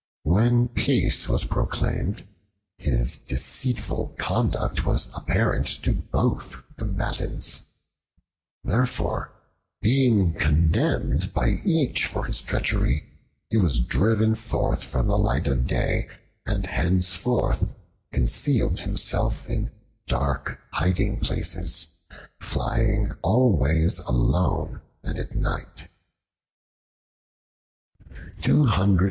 When peace was proclaimed, his deceitful conduct was apparent to both combatants. Therefore being condemned by each for his treachery, he was driven forth from the light of day, and henceforth concealed himself in dark hiding places, flying always alone and at night.